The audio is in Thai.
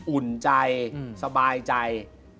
อุ่นใจสบายใจ